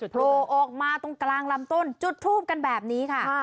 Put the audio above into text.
โผล่ออกมาตรงกลางลำต้นจุดทูบกันแบบนี้ค่ะ